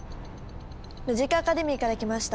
ムジカ・アカデミーから来ました